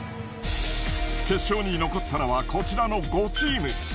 決勝に残ったのはこちらの５チーム。